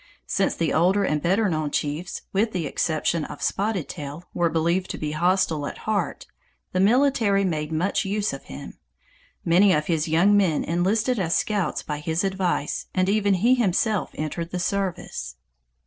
Since the older and better known chiefs, with the exception of Spotted Tail, were believed to be hostile at heart, the military made much use of him. Many of his young men enlisted as scouts by his advice, and even he himself entered the service.